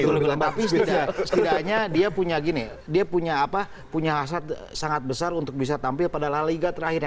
tapi setidaknya dia punya hasrat sangat besar untuk bisa tampil pada la liga terakhir